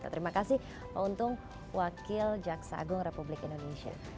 terima kasih pak untung wakil jaksa agung republik indonesia